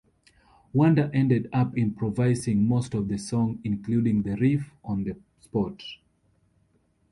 Wonder ended up improvising most of the song, including the riff, on the spot.